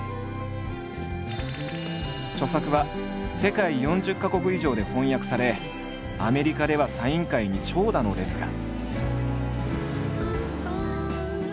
著作は世界４０か国以上で翻訳されアメリカではサイン会に長蛇の列が。